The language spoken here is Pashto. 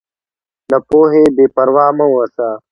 له پوهې بېپروا مه اوسه.